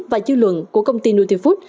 và dư luận của công ty nutifood